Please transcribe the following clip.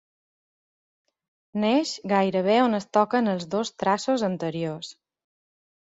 Neix gairebé on es toquen els dos traços anteriors.